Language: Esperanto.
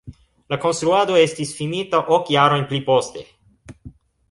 La konstruado estis finita ok jarojn pli poste.